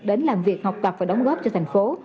đến làm việc học tập và đóng góp cho thành phố